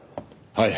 はい。